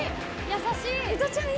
優しい。